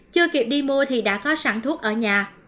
chưa kịp đi mua thì đã có sản thuốc ở nhà